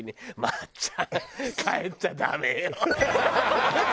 「松ちゃん帰っちゃダメよ」。